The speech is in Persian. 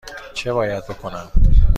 چه باید بکنم؟